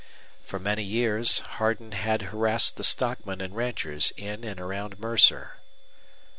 For many years Hardin had harassed the stockmen and ranchers in and around Mercer.